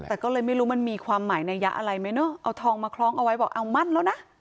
แต่ก็เลยไม่รู้มันมีความหมายในยะอะไรไหมเนอะเอาทองมาคล้องเอาไว้บอกเอามั่นแล้วนะ